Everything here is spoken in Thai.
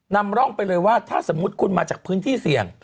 นำร่องไปเลยว่าถ้าสมมุติคุณมาจากพื้นที่เสี่ยง